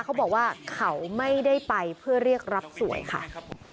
เขาบอกว่าเขาไม่ได้ไปเพื่อเรียกรับสวยค่ะ